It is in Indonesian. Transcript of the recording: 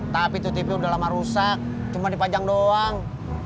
tapi itu tv udah lama rusak cuma dipajang doang